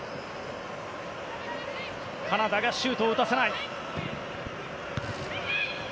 カナダがシュートを打たせない。